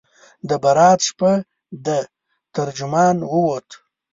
د برات شپه ده ترجمال ووته